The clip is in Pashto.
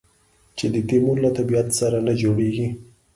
چې د تیمور له طبیعت سره نه جوړېږي.